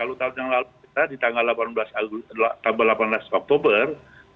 kalau tahun yang lalu kita di tanggal delapan belas oktober dua ribu dua puluh dua